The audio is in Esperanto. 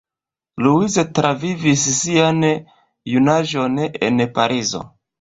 Louise travivis sian junaĝon en Parizo.